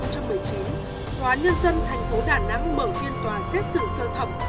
tòa nhân dân thành phố đà nẵng mở phiên tòa xét xử sơ thẩm